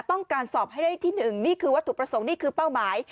ต้องการสอบให้ได้ที่๑นี่คือวัตถุประสงค์นี่คือเป้าหมาย